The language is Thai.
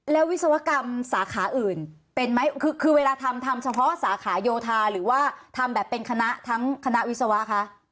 แล้ววิศวกรรมสาขาอื่นเป็นไหมคือเวลาทำทำเฉพาะสาขาโยธาหรือว่าทำแบบเป็นคณะทั้งคณะวิศวะคะ